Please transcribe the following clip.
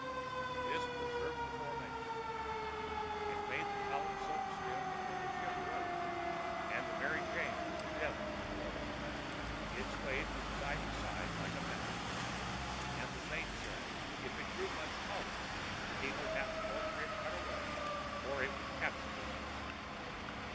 This preserved the formation. It made the column so stiff that when the ship rolled (and the Mary Jane was a devil to roll) it swayed from side to side like a mast, and the Mate said if it grew much taller he would have to order it cut away or it would capsize us.